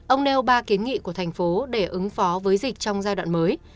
ông nêu ba kiến nghị của thành phố để ứng phó với dịch trong giai đoạn mới